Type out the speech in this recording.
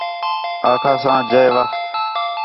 آکھاس آں جئے وخت